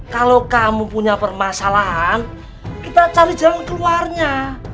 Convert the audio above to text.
kalau kamu punya permasalahan kita cari jalan keluarnya